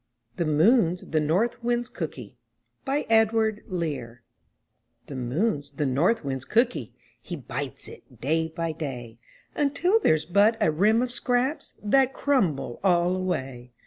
THE MOON'S THE NORTH WIND'S COOKY* The Moon's the North Wind's cooky. He bites it, day by day, Until there's but a rim of scraps That crumble all away.